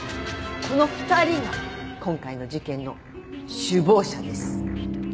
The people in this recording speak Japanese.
この２人が今回の事件の首謀者です。